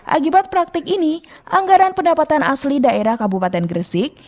akibat praktik ini anggaran pendapatan asli daerah kabupaten gresik